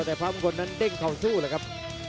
แต่พระมงคลนั้นเด้งทองสู้เลยครับ